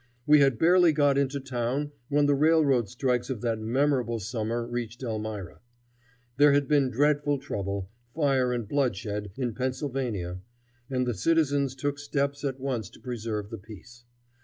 We had barely got into town when the railroad strikes of that memorable summer reached Elmira. There had been dreadful trouble, fire and bloodshed, in Pennsylvania, and the citizens took steps at once to preserve the peace.